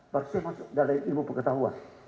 baru saya masuk dalam ilmu pengetahuan